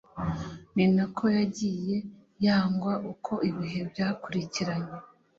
ni nako yagiye yangwa uko ibihe byakurikiranye,